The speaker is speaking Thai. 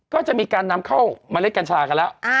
ก็จะมีการนำเข้าเมล็ดกัญชากันแล้ว